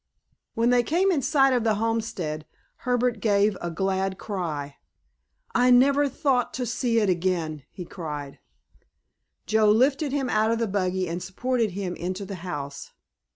When they came in sight of the homestead Herbert gave a glad cry. "I never thought to see it again," he cried. Joe lifted him out of the buggy and supported him into the house.